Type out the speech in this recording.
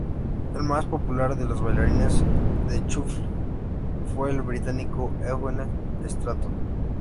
El más popular de los bailarines de "shuffle" fue el británico Eugene Stratton.